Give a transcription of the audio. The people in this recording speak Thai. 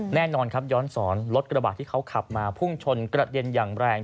แน่นอนครับย้อนสอนรถกระบาดที่เขาขับมาพุ่งชนกระเด็นอย่างแรง